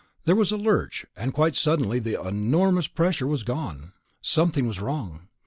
There was a lurch, and quite suddenly the enormous pressure was gone. Something was wrong.